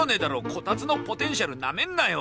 コタツのポテンシャルなめんなよ！